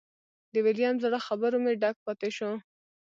د ویلیم زړه خبرو مې ډک پاتې شو.